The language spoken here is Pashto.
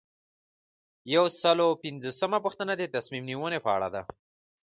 یو سل او پنځوسمه پوښتنه د تصمیم نیونې په اړه ده.